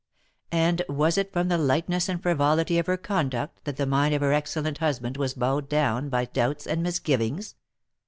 And was it from the lightness and frivolity of her conduct that the mind of her excellent husband was bowed down by doubts and misgivings?